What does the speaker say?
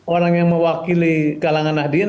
orang yang mewakili kalangan nahdien